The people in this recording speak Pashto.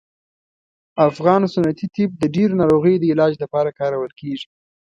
افغان سنتي طب د ډیرو ناروغیو د علاج لپاره کارول کیږي